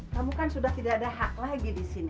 kamu kan sudah tidak ada hak lagi di sini